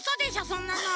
そんなの。